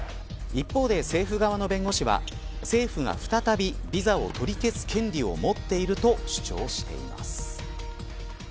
一方で政府側の弁護士は政府が再びビザを取り消す権利を持っていると主張しています。